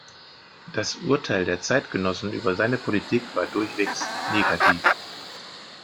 Das Urteil der Zeitgenossen über seine Politik war durchwegs negativ.